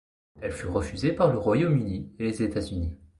Elle fut refusée par le Royaume-Uni et les États-Unis.